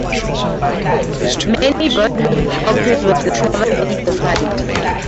Many Buddhist sculptures were discovered on the site.